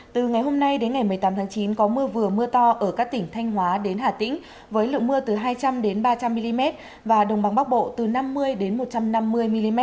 từ ngày hôm nay đến ngày một mươi tám tháng chín có mưa vừa mưa to ở các tỉnh thanh hóa đến hà tĩnh với lượng mưa từ hai trăm linh ba trăm linh mm và đồng bằng bắc bộ từ năm mươi một trăm năm mươi mm